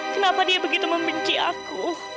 kenapa dia begitu membenci aku